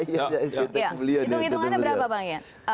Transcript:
hitung hitungannya berapa pak ian